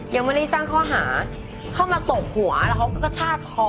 ยังไม่ได้สร้างข้อหาเข้ามาตบหัวแล้วเขาก็กระชากคอ